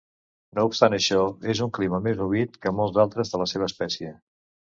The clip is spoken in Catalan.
No obstant això, és un clima més humit que molts altres de la seva espècie.